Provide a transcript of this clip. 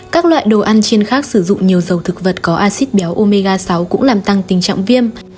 các loại đồ ăn trên khác sử dụng nhiều dầu thực vật có acid béo omega sáu cũng làm tăng tình trạng viêm